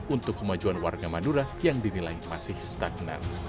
untuk kemajuan warga madura yang dinilai masih stagnan